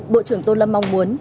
bộ trưởng tô lâm mong muốn